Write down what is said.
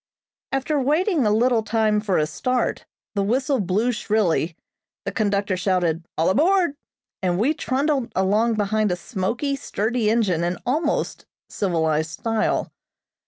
After waiting a little time for a start, the whistle blew shrilly, the conductor shouted "all aboard!" and we trundled along behind a smoky, sturdy engine in almost civilized style.